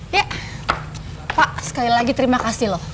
ya pak sekali lagi terima kasih loh